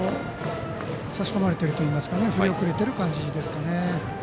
差し込まれてるというか振り遅れてる感じですかね。